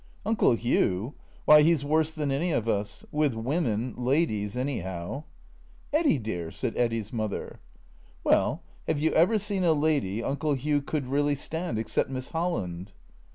" Uncle Hugh ? W^hy, he 's worse than any of us. With women — ladies — anyhow." " Eddy, dear !" said Eddy's mother. " Well, have you ever seen a lady Uncle Hugh could really stand — except Miss Holland